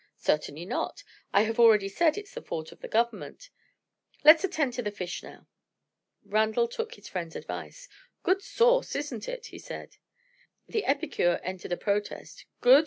"Certainly not. I have already said it's the fault of the Government. Let's attend to the fish now." Randal took his friend's advice. "Good sauce, isn't it?" he said. The epicure entered a protest. "Good?"